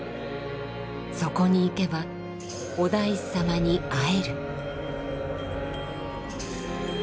そこに行けばお大師様に会える。